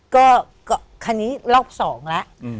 ก็คันนี้รอบ๒ละ